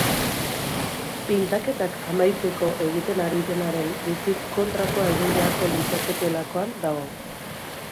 Pintaketak amaitzeko egiten ari denaren guztiz kontrakoa egin beharko litzatekeelakoan dago.